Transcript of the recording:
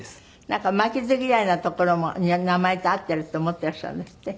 なんか負けず嫌いなところも名前と合っていると思っていらっしゃるんですって？